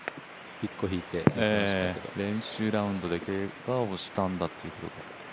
練習ラウンドでけがをしたんだということ。